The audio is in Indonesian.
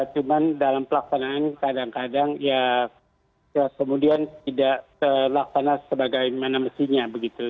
cuma dalam pelaksanaan kadang kadang ya kemudian tidak terlaksana sebagaimana mestinya begitu